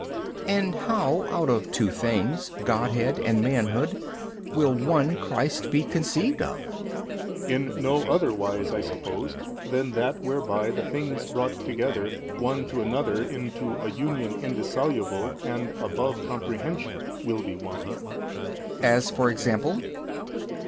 B. And how out of two things, Godhead and manhood, will One Christ be conceived of? A. In no other wise (I suppose) than that whereby the things brought together one to another unto a union indissoluble and above comprehension will be One. B. As for example?